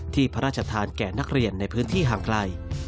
พระราชทานแก่นักเรียนในพื้นที่ห่างไกล